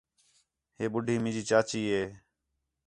ہے ٻُڈّھی مینجی چاچی ہے